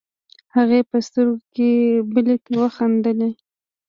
هغې په سترګو کې بلې ته وخندلې.